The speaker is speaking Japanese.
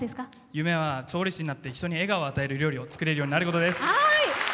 夢は調理師になって人に笑顔を与えるような料理を作れることになることです。